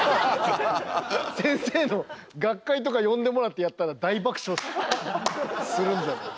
先生の学会とか呼んでもらってやったら大爆笑するんじゃない？